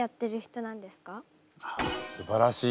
あっすばらしい。